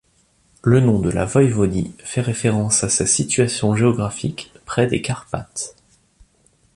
Le nom de la voïvodie fait référence à sa situation géographique près des Carpates.